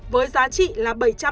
với giá trị là